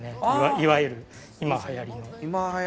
いわゆる今はやりの。